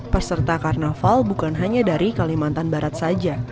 peserta karnaval bukan hanya dari kalimantan barat saja